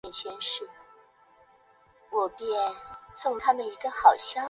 元禄赤穗事件中赤穗浪士四十七武士的头目。